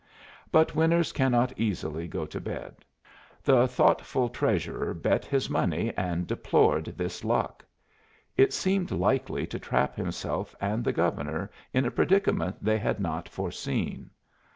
But winners cannot easily go to bed. The thoughtful Treasurer bet his money and deplored this luck. It seemed likely to trap himself and the Governor in a predicament they had not foreseen.